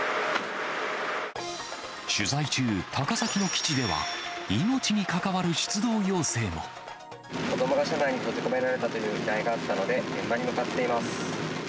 取材中、高崎の基地では、子どもが車内に閉じ込められたという依頼があったので、現場に向かっています。